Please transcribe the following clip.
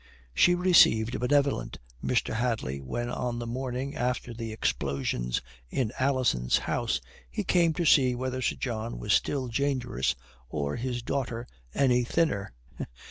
She received the benevolent Mr. Hadley when on the morning after the explosions in Alison's house he came to see whether Sir John was still dangerous or his daughter any thinner.